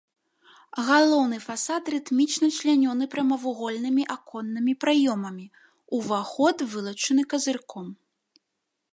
Галоўны фасад рытмічна члянёны прамавугольнымі аконнымі праёмамі, уваход вылучаны казырком.